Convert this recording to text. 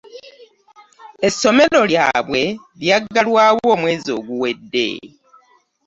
Essomero ly'abwe lyaggalwawo omwezi oguwedde